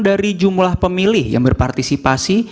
dari jumlah pemilih yang berpartisipasi